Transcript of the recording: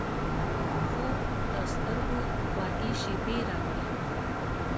خوب د سترګو خوږې شیبې راوړي